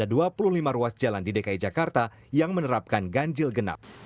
ada dua puluh lima ruas jalan di dki jakarta yang menerapkan ganjil genap